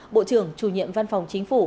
bộ trưởng chủ nhiệm văn phòng chính phủ